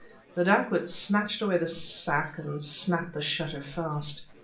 The dacoit snatched away the sack and snapped the shutter fast.